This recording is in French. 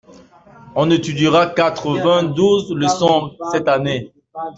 On étudiera quatre-vingt-douze leçons cette année.